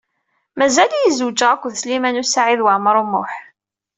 Mazal-iyi zewjeɣ akked Sliman U Saɛid Waɛmaṛ U Muḥ.